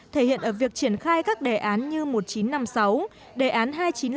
thể hiện ở việc triển khai các đề án như một nghìn chín trăm năm mươi sáu đề án hai trăm chín mươi năm